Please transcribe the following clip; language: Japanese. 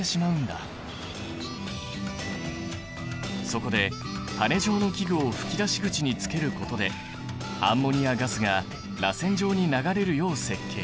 そこで羽根状の器具を噴き出し口につけることでアンモニアガスがらせん状に流れるよう設計。